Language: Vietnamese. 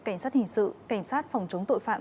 cảnh sát hình sự cảnh sát phòng chống tội phạm